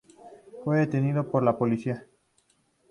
Fue detenido por la policía.